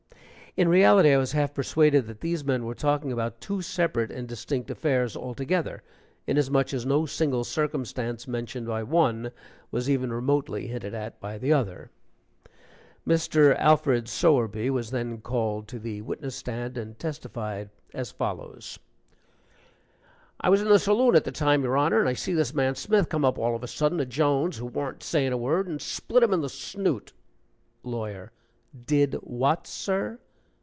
In reality, I was half persuaded that these men were talking about two separate and distinct affairs altogether, inasmuch as no single circumstance mentioned by one was even remotely hinted at by the other. Mr. Alfred Sowerby was then called to the witness stand, and testified as follows: "I was in the saloon at the time, your Honor, and I see this man Smith come up all of a sudden to Jones, who warn't saying a word, and split him in the snoot " LAWYER. "Did what, sir?"